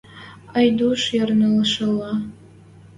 Айдуш йӹрнӹшӹлӓ.